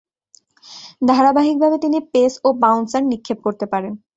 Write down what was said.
ধারাবাহিকভাবে তিনি পেস ও বাউন্সার নিক্ষেপ করতে পারেন।